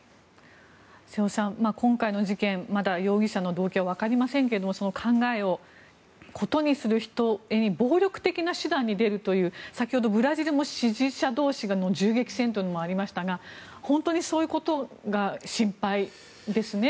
瀬尾さん、今回の事件まだ容疑者の動機はわかりませんけども考えを異にする人に暴力的な手段に出るという先ほど、ブラジルも支持者同士が銃撃戦というのがありましたが本当にそういうことが心配ですね。